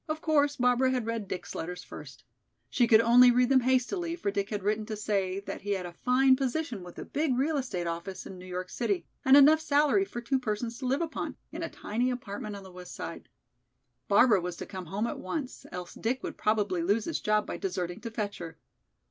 Of course, Barbara had read Dick's letters first. She could only read them hastily, for Dick had written to say that he had a fine position with a big real estate office in New York City, and enough salary for two persons to live upon, in a tiny apartment on the west side. Barbara was to come home at once, else Dick would probably lose his job by deserting to fetch her.